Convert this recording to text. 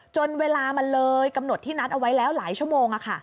จนเวลามันเลยกำหนดที่นัดเอาไว้แล้วหลายชั่วโมง